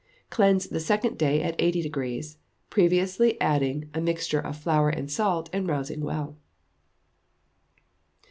Cleanse the second day at 80°, previously adding a mixture of flour and salt, and rousing well.